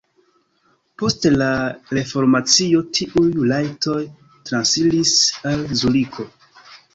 Post la reformacio tiuj rajtoj transiris al Zuriko.